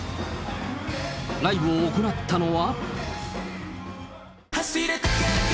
ライブを行ったのは。